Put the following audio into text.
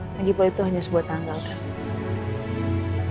lagi pun itu hanya sebuah tanggal kan